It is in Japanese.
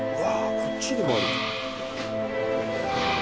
こっちにもある」